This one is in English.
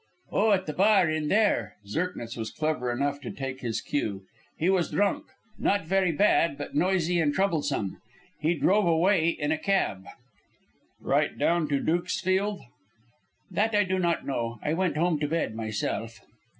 "Oh, at the bar in there," Zirknitz was clever enough to take his cue; "he was drunk not very bad but noisy and troublesome. He drove away in a cab." "Right down to Dukesfield?" "That I do not know. I went home to bed myself."